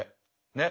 ねっ。